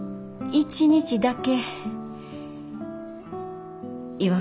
一日だけ？